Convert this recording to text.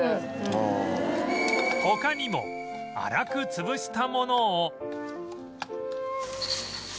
他にも粗く潰したものを